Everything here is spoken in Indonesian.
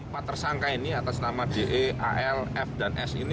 pada saat ini mereka berkata